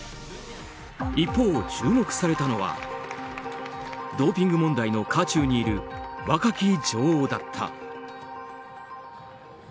一方、注目されたのはドーピング問題の渦中にいる若き女王だった。